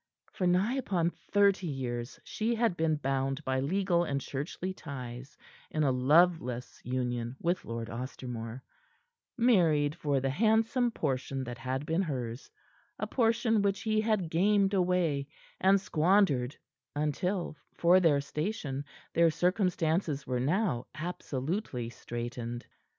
For nigh upon thirty years she had been bound by legal and churchly ties in a loveless union with Lord Ostermore married for the handsome portion that had been hers, a portion which he had gamed away and squandered until, for their station, their circumstances were now absolutely straitened.